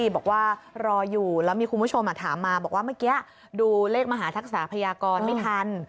บอกว่ารออยู่แล้วมีคุณผู้ชมถามมาบอกว่าเมื่อกี้ดูเลขมหาทักษะพยากรไม่ทัน